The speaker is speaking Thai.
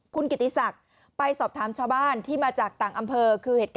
คุณกิติศักดิ์ไปสอบถามชาวบ้านที่มาจากต่างอำเภอ